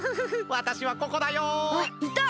わたしはここだよ。